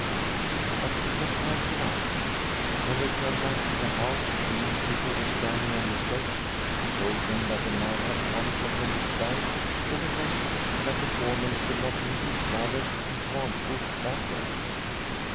But she was right enough ! When they turned back to the house the innkeeper was standing on the steps and told them that a man had come from Henriksberg with a message that the fore man could not meet his brother in Svanskog that day.